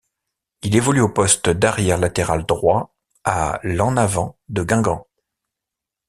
Il évolue au poste d'arrière latéral droit à l'En Avant de Guingamp.